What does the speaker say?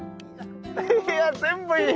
いや全部いい。